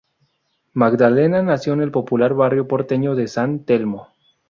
Magdalena nació en el popular barrio porteño de San Telmo.